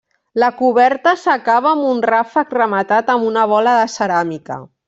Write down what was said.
La coberta s'acaba amb un ràfec rematat amb una bola de ceràmica.